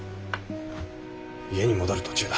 家に戻る途中だ。